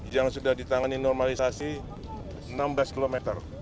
yang sudah ditangani normalisasi enam belas km